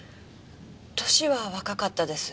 歳は若かったです。